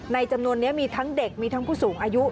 จำนวนนี้มีทั้งเด็กมีทั้งผู้สูงอายุ